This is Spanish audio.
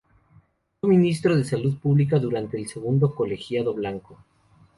Fue Ministro de Salud Pública durante el segundo colegiado blanco.